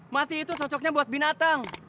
mati itu cocoknya buat binatang